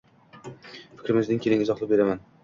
Fikrimni keeling izohlab beraman.